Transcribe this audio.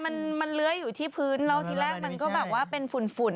มันมันเลื้อยอยู่ที่พื้นแล้วทีแรกมันก็แบบว่าเป็นฝุ่นฝุ่น